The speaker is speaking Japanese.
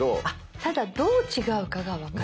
ただどう違うかが分からない。